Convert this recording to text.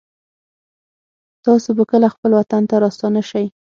تاسو به کله خپل وطن ته راستانه شئ